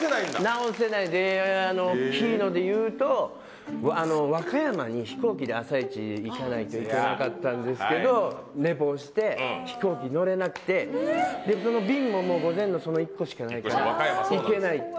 直せないでおっきいのでいうと和歌山に飛行機で朝イチ行かないといけなかったんですけど寝坊して飛行機に乗れなくてその便も午前の１個しかなくて和歌山そうなんです